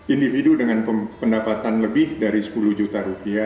individu dengan pendapatan lebih dari sepuluh juta rupiah